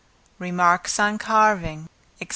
Remarks on Carving, &c.